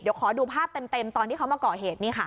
เดี๋ยวขอดูภาพเต็มตอนที่เขามาก่อเหตุนี่ค่ะ